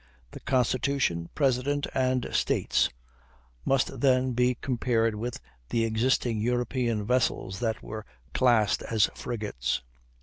The Constitution, President, and States must then be compared with the existing European vessels that were classed as frigates.